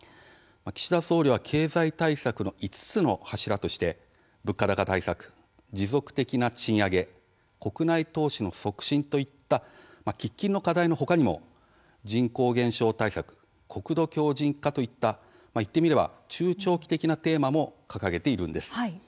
岸田総理は経済対策の５つの柱として物価高対策、持続的な賃上げ国内投資の促進といった喫緊の課題の他にも人口減少対策国土強じん化といった言ってみれば中長期的なテーマも掲げているんです。